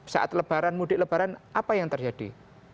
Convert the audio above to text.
saat lebaran mudik lebaran apa yang terjadi